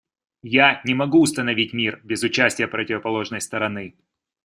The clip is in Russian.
Я не могу установить мир без участия противоположной стороны.